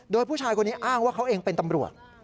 โดยผู้ชายคนนี้อ้างว่าเขาเองเป็นตำรวจ